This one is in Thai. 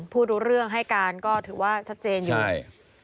รู้เรื่องให้การก็ถือว่าชัดเจนอยู่ใช่